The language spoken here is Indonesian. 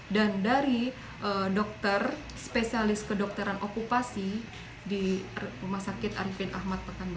dan dari dokter spesialis kedokteran okupasi di rsupm